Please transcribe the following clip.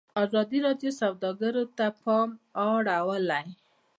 ازادي راډیو د سوداګري ته پام اړولی.